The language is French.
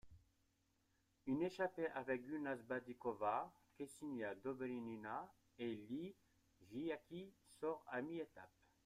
Une échappée avec Gulnaz Badykova, Kseniya Dobrynina et Li Jiaqi sort à mi-étape.